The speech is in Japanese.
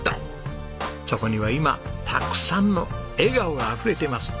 そこには今たくさんの笑顔があふれてます。